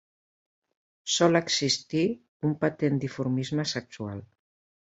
Sol existir un patent dimorfisme sexual.